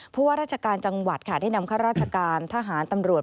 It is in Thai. ว่าราชการจังหวัดค่ะได้นำข้าราชการทหารตำรวจ